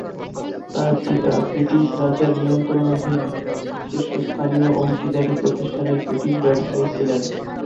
তার পিতা ব্রিটিশ রাজের নিয়ন্ত্রণাধীন শীর্ষস্থানীয় অংশীদারী প্রতিষ্ঠানের ব্রিটিশ ব্যবসায়ী ছিলেন।